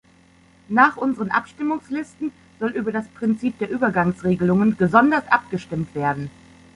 Nach unseren Abstimmungslisten soll über das Prinzip der Übergangsregelungen gesondert abgestimmt werden.